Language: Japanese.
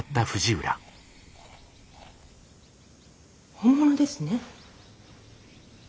本物ですね。